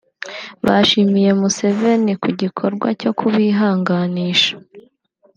bashimiye Museveni ku gikorwa cyo kubihanganisha